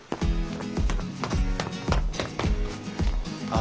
あ。